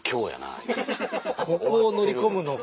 ここを乗り込むの。